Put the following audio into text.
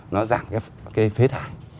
nó giảm cái phế thải